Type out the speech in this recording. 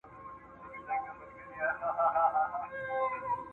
يو انسان په ټولني کي خپل عزت لوړ ساتي.